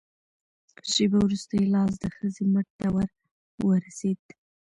شېبه وروسته يې لاس د ښځې مټ ته ور ورسېد.